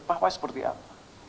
power seperti apa